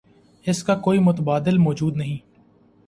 اس کا کوئی متبادل موجود نہیں۔